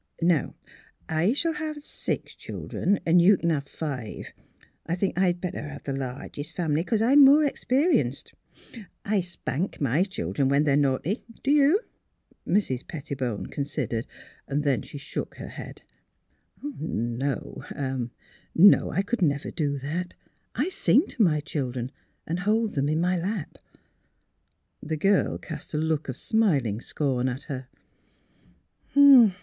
Now I shall have six children, 'n' you can have five. I think I'd better have the largest family, 'cause I'm more ex perienced. I spank my children when they're naughty. Do you? " Mrs. Pettibone considered. Then she shook her head. " No," she said. '' No; I could never do that. I sing to my children, and hold them in my lap." The girl cast a look of smiling scorn at her.